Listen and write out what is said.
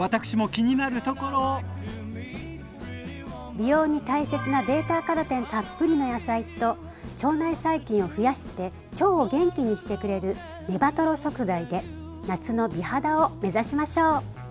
美容に大切なベータカロテンたっぷりの野菜と腸内細菌を増やして腸を元気にしてくれるネバトロ食材で夏の美肌を目指しましょう。